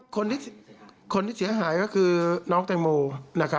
คนที่เสียหายก็คือน้องแตงโม